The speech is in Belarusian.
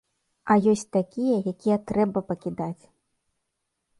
А ёсць такія, якія трэба пакідаць.